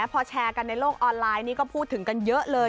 พอแชร์กันในโลกออนไลน์นี่ก็พูดถึงกันเยอะเลย